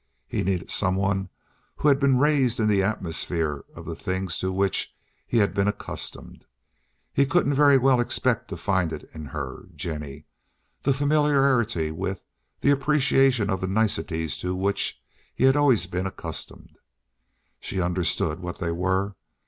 He needed some one who had been raised in the atmosphere of the things to which he had been accustomed. He couldn't very well expect to find in her, Jennie, the familiarity with, the appreciation of the niceties to, which he had always been accustomed. She understood what they were.